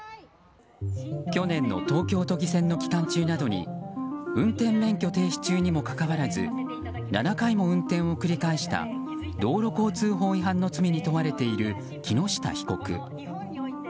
去年の東京都議選の期間中などに運転免許停止中にもかかわらず７回も運転を繰り返した道路交通法違反の罪に問われている木下被告。